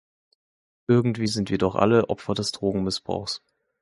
Irgendwie sind wir doch alle Opfer des Drogenmissbrauchs.